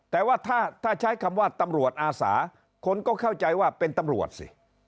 แต่ว่าถ้าใช้คำว่าตำรวจอาสาคนก็เข้าใจว่าเป็นตำรวจสิ